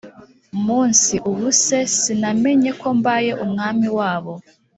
munsi Ubu se sinamenye ko mbaye umwami wabo